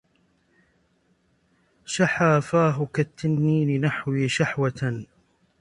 شحا فاه كالتنين نحوي شحوة